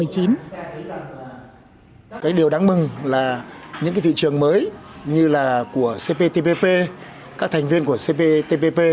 cái điều đáng mừng là những cái thị trường mới như là của cptpp các thành viên của cptpp